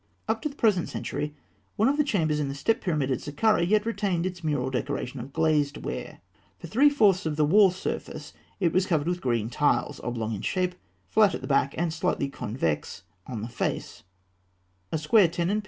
] Up to the beginning of the present century, one of the chambers in the step pyramid at Sakkarah yet retained its mural decoration of glazed ware (fig. 235). For three fourths of the wall surface it was covered with green tiles, oblong in shape, flat at the back, and slightly convex on the face (fig.